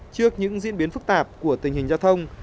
trước những diễn biến phức tạp của tình hình giao thông